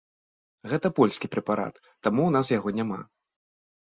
Гэта польскі прэпарат, таму ў нас яго няма.